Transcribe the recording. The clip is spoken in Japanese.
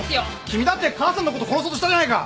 君だって母さんのこと殺そうとしたじゃないか！